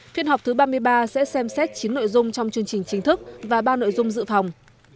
phiên họp thứ ba mươi ba sẽ xem xét chín nội dung trong chương trình chính thức và ba nội dung dự phòng